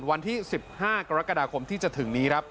วันที่๑๕กรกฎาคมที่จะถึงนี้ครับ